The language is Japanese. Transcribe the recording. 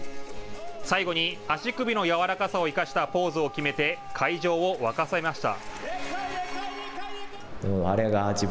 最後に、足首のやわらかさを生かしたポーズを決めて会場を沸かせました。